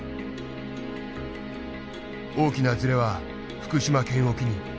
大きなずれは福島県沖に。